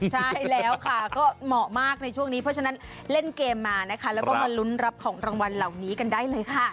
ใช่แล้วค่ะก็เหมาะมากในช่วงนี้เพราะฉะนั้นเล่นเกมมานะคะแล้วก็มาลุ้นรับของรางวัลเหล่านี้กันได้เลยค่ะ